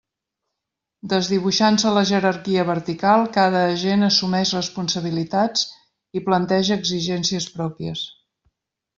Desdibuixant-se la jerarquia vertical, cada agent assumeix responsabilitats i planteja exigències pròpies.